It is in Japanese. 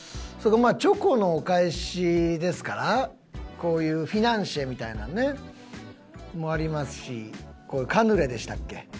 まあチョコのお返しですからこういうフィナンシェみたいなのね。もありますしこういうカヌレでしたっけ？